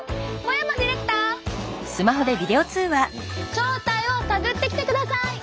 正体を探ってきてください！